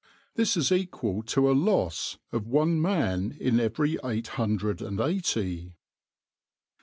This is equal to a loss of one man in every eight hundred and eighty.